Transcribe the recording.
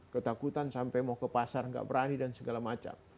ketakutan sampai mau ke pasar nggak berani dan segala macam